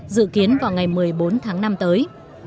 dự kiến vào ngày một mươi bốn tháng năm tới